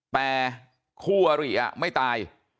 แต่คู่อริไม่ตาย